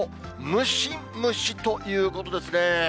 ムシムシということですね。